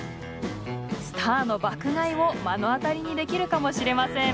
スターの爆買いを目の当たりにできるかもしれません。